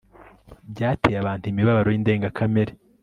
byateye abantu imibabaro y indengakamere